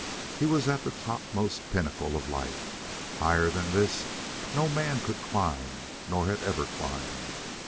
He was at the topmost pinnacle of life. Higher than this no man could climb nor had ever climbed.